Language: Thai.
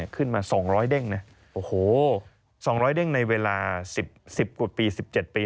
ขึ้นมา๒๐๐เด้งนะโอ้โห๒๐๐เด้งในเวลา๑๐กว่าปี๑๗ปี